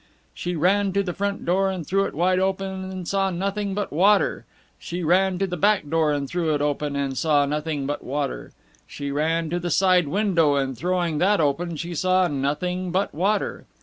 She ran to the front door and threw it wide open, and saw nothing but water. She ran to the back door and threw it open, and saw nothing but water. She ran to the side window, and throwing that open, she saw nothing but water.